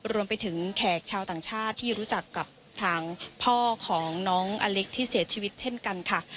รวมไปถึงแขกชาวต่างชาติที่รู้จักกับทางพ่อของน้องอเล็กที่เสียชีวิตเช่นกันค่ะ